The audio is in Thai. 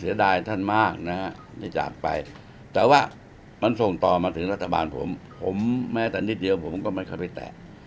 เสียดายท่านมากจากไปแต่ว่ามันส่งต่อมาถึงรัฐบาลผมผมแม้แค่นิดเดียวมันก็ไปแตะ